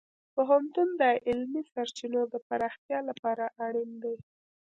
پوهنتون د علمي سرچینو د پراختیا لپاره اړین دی.